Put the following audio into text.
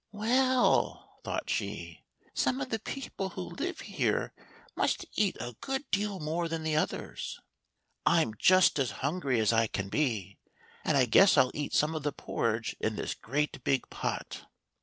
"Well," thought she, "some of the people who live here must eat a good deal more than the others. I'm just as hun gry as I can be, and I guess I'll eat some of the porridge in this great big pot."